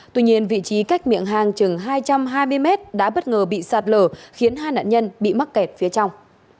tuy nhiên vị trí cách miệng hang chừng hai trăm hai mươi mét đã bất ngờ bị sạt lở khiến hai nạn nhân bị mắc kẹt phía trong